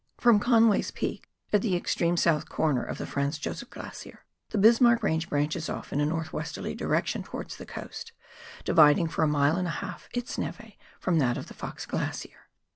From Conway's Peak, at the extreme south corner of the Franz Josef Glacier, the Bismarck Range branches off in a north westerly direction towards the coast, dividing for a mile and a half its nere from that of the Fox Glacier.